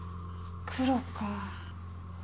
黒か。